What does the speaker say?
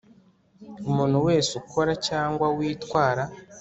umuntu wese ukora cyangwa witwara